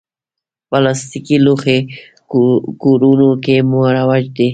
پلاستيکي لوښي کورونو کې مروج دي.